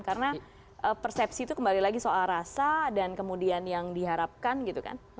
karena persepsi itu kembali lagi soal rasa dan kemudian yang diharapkan gitu kan